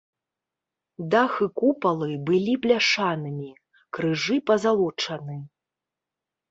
Дах і купалы былі бляшанымі, крыжы пазалочаны.